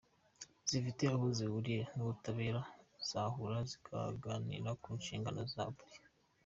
zifite aho zihuriye n’ubutabera zahura zikaganira ku nshingano za buri